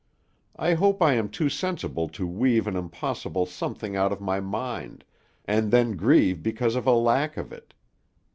I hope I am too sensible to weave an impossible something out of my mind, and then grieve because of a lack of it.